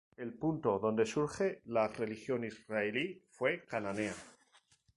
El punto de donde surge la religión israelí fue cananea.